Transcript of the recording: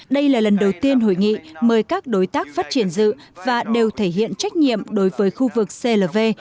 đây là lần đầu tiên hội nghị mời các đối tác phát triển dự và đều thể hiện trách nhiệm đối với khu vực clv